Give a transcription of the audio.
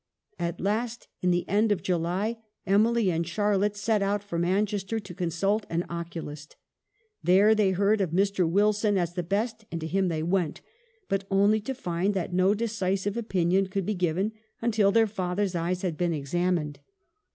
At last, in the end of July, Emily and Charlotte set out for Manchester to consult an oculist. There they heard of Mr. Wilson as the best, and to him they went ; but only to find that no decisive opinion could be given until their father's eyes had been examined.